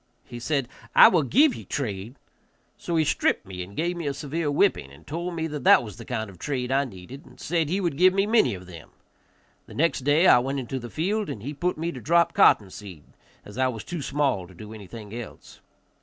He said, "I will give ye trade." So he stripped me and gave me a severe whipping, and told me that that was the kind of trade I needed, and said he would give me many of them. The next day I went into the field, and he put me to drop cotton seed, as I was too small to do anything else.